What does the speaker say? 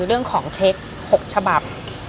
เรื่องของเช็ค๖ฉบับ